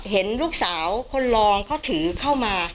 เห็นลูกสาวคนรองเขาถือเข้ามา